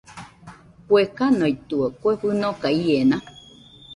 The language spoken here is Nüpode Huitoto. ¿Kue kanoitɨo, kue fɨnoka iena?